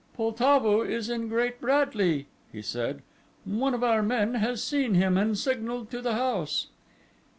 "Poltavo is in Great Bradley," he said; "one of our men has seen him and signalled to the house."